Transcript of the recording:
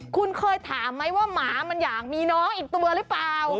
คุณเคยถามไหมว่าหมามันอยากมีน้องอีกตัวหรือเปล่า